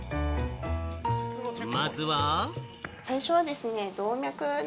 まずは。